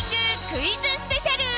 クイズスペシャル。